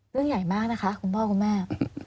เรื่องใหญ่มากนะคะคุณพ่อคุณแม่